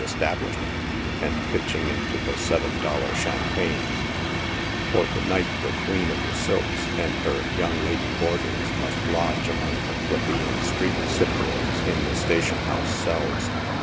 establishment," and pitching into the seven dollar ohampa For to night the queen of the sylphs and her " young lady be ers" must lodge along with plebeian street cyprians in the station house ceils.